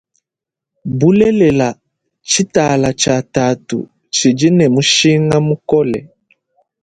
Bulelela tshitala tshia tatu tshidine mushinga mukole.